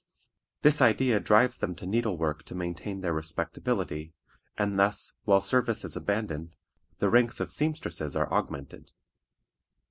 This idea drives them to needlework to maintain their respectability, and thus, while service is abandoned, the ranks of seamstresses are augmented.